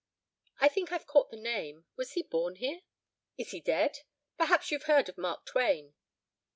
"I think I've caught the name. Was he born here?" "Is he dead? Perhaps you've heard of Mark Twain?"